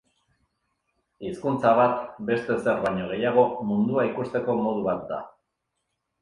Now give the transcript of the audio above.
Hizkuntza bat, beste ezer baino gehiago, mundua ikusteko modu bat da.